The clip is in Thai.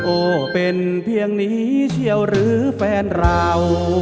โอ้เป็นเพียงนี้เชี่ยวหรือแฟนเรา